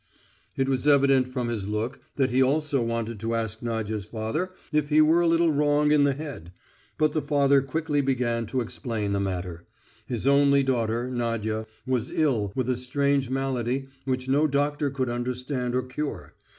It was evident from his look that he also wanted to ask Nadya's father if he were a little wrong in the head.... But the father quickly began to explain the matter: his only daughter, Nadya, was ill with a strange malady which no doctor could understand nor cure.